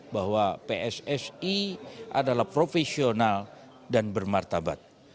bahwa pssi adalah profesional dan bermartabat